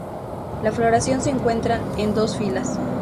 La floración se encuentran en dos filas.